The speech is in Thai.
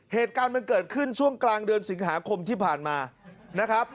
เหตุการณ์มันเกิดขึ้นช่วงกลางเดือนสิงหาคมที่ผ่านมานะครับ